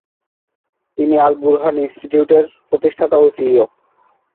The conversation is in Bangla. তিনি আল-বুরহান ইনস্টিটিউটের প্রতিষ্ঠাতা ও সিইও।